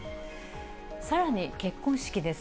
さらに結婚式です。